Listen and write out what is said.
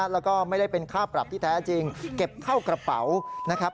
แล้วก็ไม่ได้เป็นค่าปรับที่แท้จริงเก็บเข้ากระเป๋านะครับ